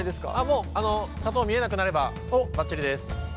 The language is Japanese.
もう砂糖見えなくなればばっちりです。